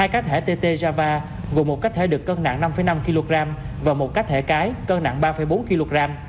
hai cá thể tê tê ra và gồm một cá thể được cân nặng năm năm kg và một cá thể cái cân nặng ba bốn kg